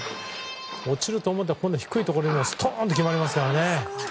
落ちると思ったら今度は低いところにストーン！と決まりますから。